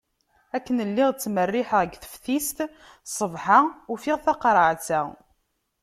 Akken lliɣ ttmerriḥeɣ deg teftist ṣṣbeḥ-a, ufiɣ taqerεet-a.